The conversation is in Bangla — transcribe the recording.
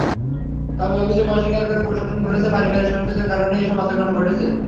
তবে অভিযোগ অস্বীকার করে প্রশাসন বলছে, পারিবারিক সহিংসতার কারণেই এসব হত্যাকাণ্ড ঘটেছে।